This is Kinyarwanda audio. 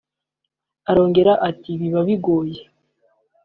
Arongera ati “Biba bigoye